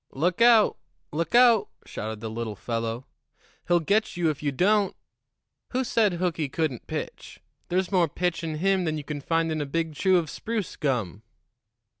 "Look out! look out!" shouted the little fellow. "He'll get you if you don't. Who said Hooky couldn't pitch? There's more pitch in him than you can find in a big chew of spruce gum."